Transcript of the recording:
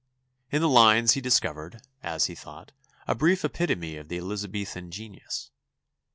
In the lines he discovered, as he thought, a brief epitome of the Elizabethan genius.